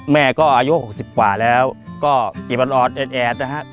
แม่ก็อายุ๖๐ป่าแล้วก็เก็บอ่อนแอดนะครับ